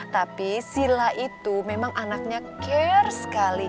tapi sila itu memang anaknya care sekali